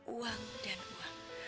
uang dan uang